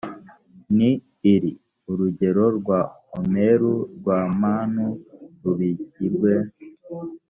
ni iri urugero rwa omeru rwa manu rubikirwe